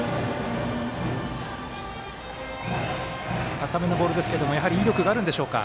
高めのボールですけれどもやはり威力があるんでしょうか。